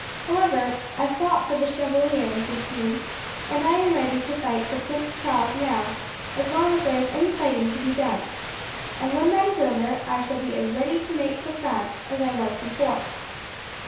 However, I fought for the Chevalier in '15, and I am ready to fight for Prince Charles now as long as there is any fighting to be done, and when that is over I shall be as ready to make for France as I was before."